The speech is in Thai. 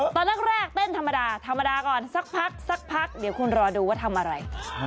ตอนแรกเต้นธรรมดาธรรมดาก่อนสักพักสักพักเดี๋ยวคุณรอดูว่าทำอะไร